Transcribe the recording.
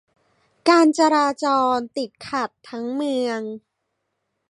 การจราจรติดขัดทั้งเมือง